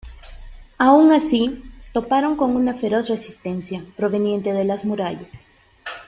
Aun así, toparon con una feroz resistencia, proveniente de las murallas.